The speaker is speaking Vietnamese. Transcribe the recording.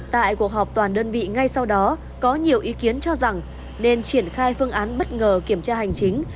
tại cuộc họp toàn đơn vị ngay sau đó có nhiều ý kiến cho rằng nên triển khai phương án bất ngờ kiểm tra hành chính